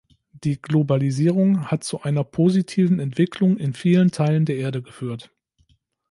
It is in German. Die Globalisierung hat zu einer positiven Entwicklung in vielen Teilen der Erde geführt.